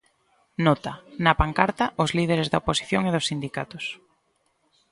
Nota: na pancarta, os líderes da oposición e dos sindicatos.